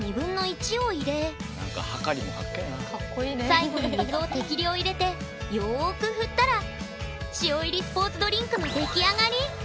最後に水を適量入れてよーく振ったら「塩」入りスポーツドリンクの出来上がり！